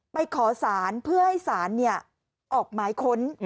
ไปขอสารเพื่อให้ศาลออกหมายค้น